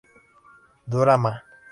Dora Ma.